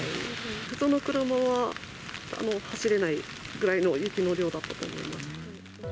普通の車は走れないぐらいの雪の量だったと思います。